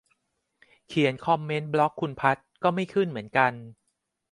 เขียนคอมเมนต์บล็อกคุณภัทร ก็ไม่ขึ้นเหมือนกัน